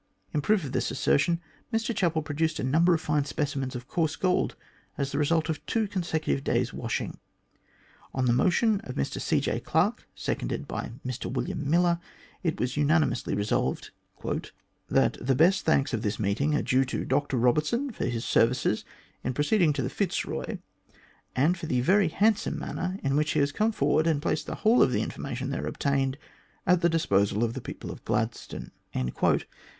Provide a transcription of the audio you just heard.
In proof of this assertion Mr Chapel produced a number of fine speci mens of coarse gold as the result of two consecutive days* washing. On the motion of Mr C. J. Clarke, seconded by Mr William Miller, it was unanimously resolved :" That the best thanks of this meeting are due to Dr Eobertson for his services in proceeding to the Fitzroy, and for the very handsome manner in which he has come forward and placed the whole of the information there obtained at the disposal of the people of Gladstone."